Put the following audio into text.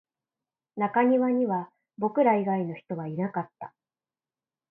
中庭には僕ら以外の人はいなかった